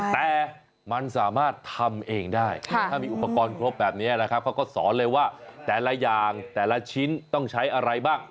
แต่มันสามารถทำเองได้ถ้ามีอุปกรณ์ครบแบบนี้นะครับเขาก็สอนเลยว่าแต่ละอย่างแต่ละชิ้นต้องใช้อะไรบ้าง